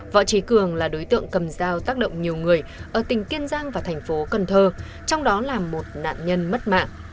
võ trí cường là đối tượng cầm dao tác động nhiều người ở tỉnh kiên giang và tp cnh trong đó là một nạn nhân mất mạng